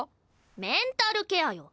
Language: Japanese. メンタルケアよ。